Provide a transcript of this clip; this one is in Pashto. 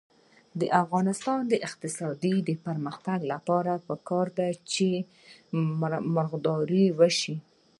د افغانستان د اقتصادي پرمختګ لپاره پکار ده چې مرغداري وشي.